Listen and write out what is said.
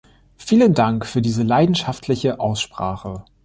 Vielen Dank für diese leidenschaftliche Aussprache.